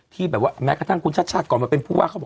ที่แบบว่าแม้กระทั่งคุณชัดก่อนแบบเป็นผู้ว่าเขาบอก